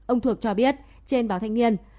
ông thuộc cho biết trên báo thanh niên